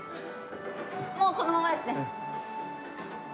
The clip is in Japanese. もうこのままですね。